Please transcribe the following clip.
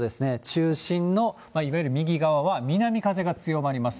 中心のいわゆる右側が南風が強まります。